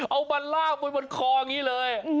เอามันลาบบนของี้เลย